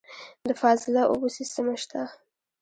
د فاضله اوبو سیستم شته؟